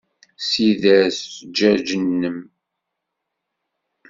Ssider zzjaj-nnem!